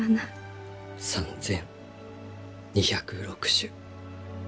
３，２０６種。